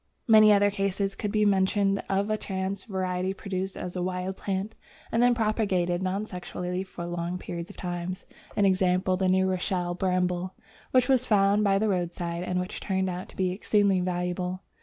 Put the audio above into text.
] Many other cases could be mentioned of a chance variety produced as a wild plant, and then propagated non sexually for long periods, e.g. the New Rochelle Bramble, which was found by the roadside, and which turned out to be exceedingly valuable.